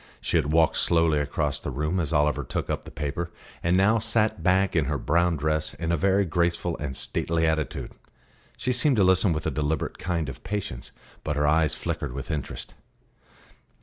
She had walked slowly across the room as Oliver took up the paper, and now sat back in her brown dress in a very graceful and stately attitude. She seemed to listen with a deliberate kind of patience; but her eyes flickered with interest.